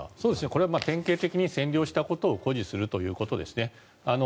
これは典型的に占領したことを誇示するということですね。